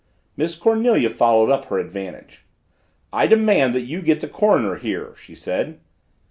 Miss Cornelia followed up her advantage. "I demand that you get the coroner here," she said.